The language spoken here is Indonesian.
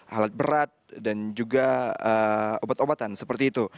alat berat dan juga obat obatan seperti itu